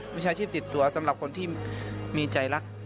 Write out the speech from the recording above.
วิชาชีพติดตัวสำหรับคนที่มีใจรัก